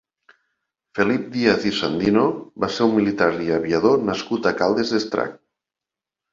Felip Díaz i Sandino va ser un militar i aviador nascut a Caldes d'Estrac.